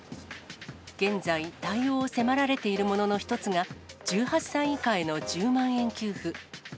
現在、対応を迫られているものの一つが、１８歳以下への１０万円給付。